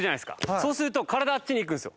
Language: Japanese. そうすると体あっちに行くんですよ。